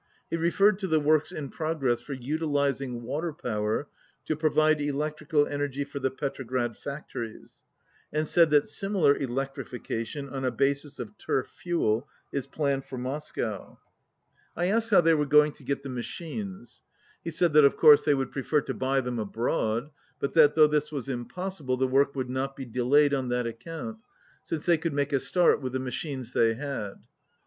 He referred to the works in progress for utilizing wa ter power to provide electrical energy for the Petrograd factories, and said that similar electrifi cation, on a basis of turf fuel, is planned for Mos cow. 128 I asked how they were going to get the machines. He said that of course they would prefer to buy them abroad, but that, though this was impossible, the work would not be delayed on that account, since they could make a start with the machines they had.